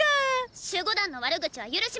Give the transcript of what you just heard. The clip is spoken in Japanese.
守護団の悪口は許しませんよ。